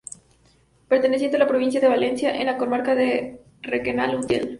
Perteneciente a la provincia de Valencia, en la comarca de Requena-Utiel.